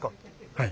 はい。